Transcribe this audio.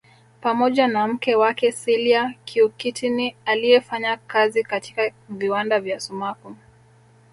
pamoja na mke wake Celia Cuccittini aliefanya kazi katika viwanda vya sumaku